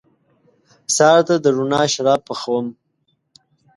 سهار ته د روڼا شراب پخوم